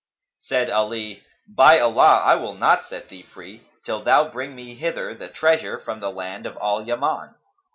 Said Ali, "By Allah, I will not set thee free, till thou bring me hither the treasure from the land of Al Yaman!"